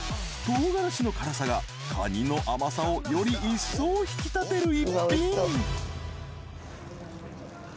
唐辛子の辛さがカニの甘さをより一層引き立てる一品］